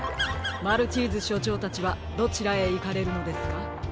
マルチーズしょちょうたちはどちらへいかれるのですか？